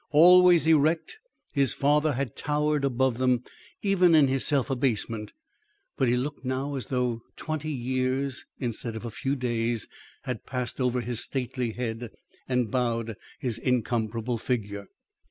Always erect, his father had towered above them then even in his self abasement, but he looked now as though twenty years, instead of a few days, had passed over his stately head and bowed his incomparable figure.